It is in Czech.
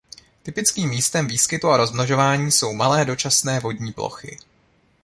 Typickém místem výskytu a rozmnožování jsou malé dočasné vodní plochy.